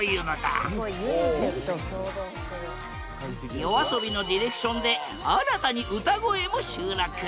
ＹＯＡＳＯＢＩのディレクションで新たに歌声も収録。